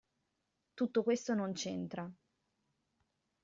Tutto questo non c'entra!